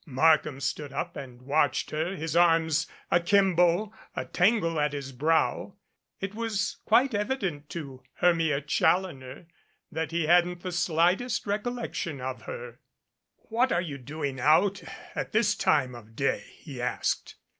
Markham stood up and watched her, his arms a kimbo, a tangle at his brow. It was quite evident to Hermia Challoner that he hadn't the slightest recollection of her. "What are you doing out at this time of day?" he asked.